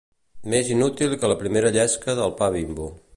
Més inútil que la primera llesca del pa Bimbo.